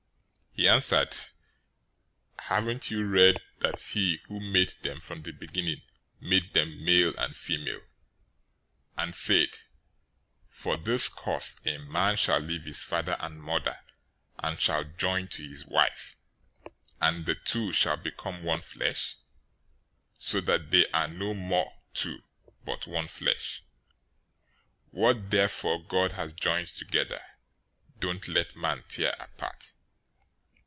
019:004 He answered, "Haven't you read that he who made them from the beginning made them male and female,{Genesis 1:27} 019:005 and said, 'For this cause a man shall leave his father and mother, and shall join to his wife; and the two shall become one flesh?'{Genesis 2:24} 019:006 So that they are no more two, but one flesh. What therefore God has joined together, don't let man tear apart."